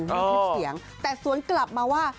อัธิบาลเซียงแต่ส่วนกลับมาว่า